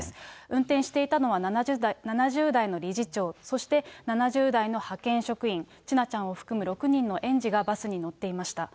運転していたのは７０代の理事長、そして７０代の派遣職員、千奈ちゃんを含む６人の園児がバスに乗っていました。